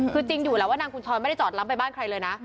คือจริงอยู่แล้วว่านางกุญชรไม่ได้จอดล้ำไปบ้านใครเลยนะ